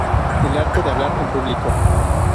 El Arte de hablar en Público".